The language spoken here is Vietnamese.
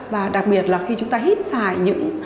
và đặc biệt là khi chúng ta hít phải những